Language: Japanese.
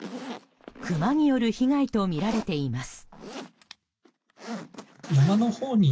クマによる被害とみられています。